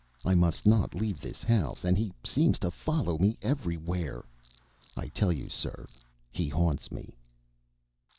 I must not leave this house, and he seems to follow me everywhere. I tell you, sir, he haunts me."